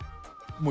もう